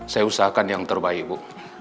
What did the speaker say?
saya usahakan yang terbaik bu